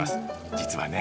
実はね